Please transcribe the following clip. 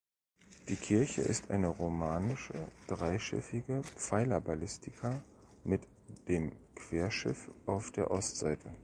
Die Kirche ist eine romanische dreischiffige Pfeilerbasilika mit dem Querschiff auf der Ostseite.